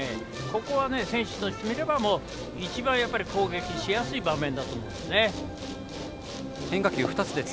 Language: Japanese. ここは選手としてみれば一番攻撃しやすい場面だと思います。